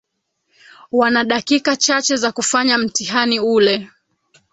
Wana dakika chache za kufanya mtihani ule